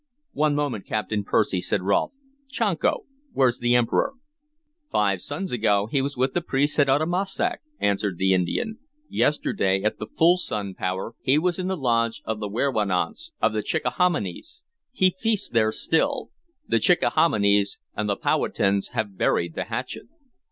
"One moment, Captain Percy," said Rolfe. "Chanco, where's the Emperor?" "Five suns ago he was with the priests at Uttamussac," answered the Indian. "Yesterday, at the full sun power, he was in the lodge of the werowance of the Chickahominies. He feasts there still. The Chickahominies and the Powhatans have buried the hatchet."